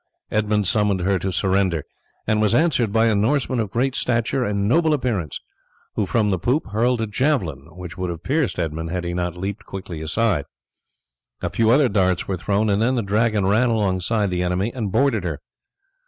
Edmund summoned her to surrender, and was answered by a Norseman of great stature and noble appearance, who from the poop hurled a javelin, which would have pierced Edmund had he not leapt quickly aside. A few other darts were thrown and then the Dragon ran alongside the enemy and boarded her.